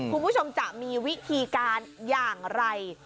คุณผู้ชมจะมีวิธีการอย่างไร